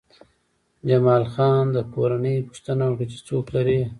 جمال خان د کورنۍ پوښتنه وکړه چې څوک لرې